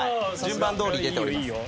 順番どおり出ております。